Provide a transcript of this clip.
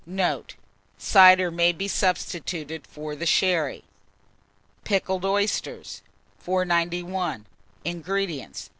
Note. Cider may be substituted for the sherry. PICKLED OYSTERS. 491. INGREDIENTS.